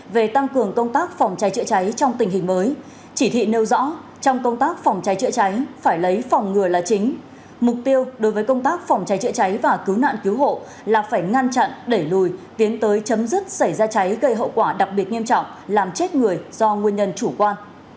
về tăng cường công tác phòng cháy chữa cháy trong tình hình mới chỉ thị nêu rõ trong công tác phòng cháy chữa cháy phải lấy phòng ngừa là chính mục tiêu đối với công tác phòng cháy chữa cháy và cứu nạn cứu hộ là phải ngăn chặn đẩy lùi tiến tới chấm dứt xảy ra cháy gây hậu quả đặc biệt nghiêm trọng làm chết người do nguyên nhân chủ quan